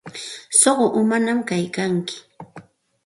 Suqu umañaq kaykanki.